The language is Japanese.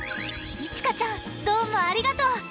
いちかちゃんどうもありがとう。